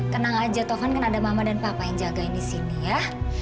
tenang saja tuhan karena ada mama dan papa yang menjaga di sini ya